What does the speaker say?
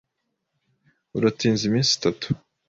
Uratinze iminsi itatu.